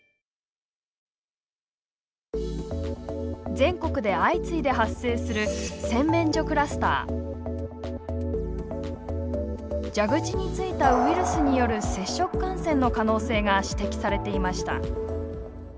全国で相次いで発生する蛇口についたウイルスによる接触感染の可能性が指摘されていました。